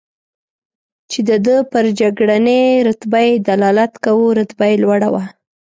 چې د ده پر جګړنۍ رتبه یې دلالت کاوه، رتبه یې لوړه وه.